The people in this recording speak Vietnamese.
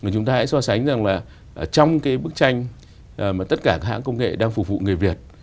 chúng ta hãy so sánh rằng là trong cái bức tranh mà tất cả các hãng công nghệ đang phục vụ người việt